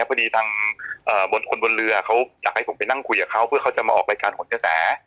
พอดีทางคนบนเรือเขาอยากให้ผมไปนั่งคุยกับเขาเพื่อเขาจะมาออกรายการหนกระแส